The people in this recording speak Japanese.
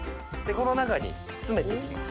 この中に詰めていきます